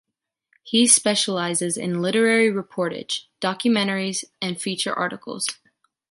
He specializes in literary reportage, documentaries and feature articles.